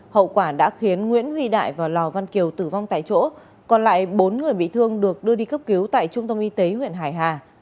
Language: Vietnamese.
hậu quả đã khiến nguyễn huy đại và lò văn kiều tử vong tại chỗ còn lại bốn người bị thương được đưa đi cấp cứu tại trung tâm y tế huyện hải hà